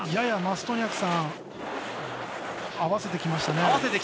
ややマストニャクさん合わせてきましたね。